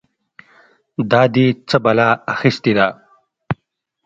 دا دې څه بلا اخيستې ده؟!